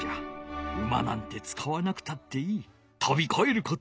馬なんてつかわなくたっていい。